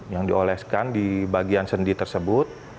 yang dioleskan di bagian sendi tersebut